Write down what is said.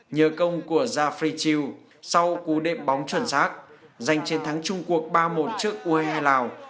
nhờ công của zafritiu sau cú đếm bóng chuẩn xác giành chiến thắng trung quốc ba một trước u hai mươi hai lào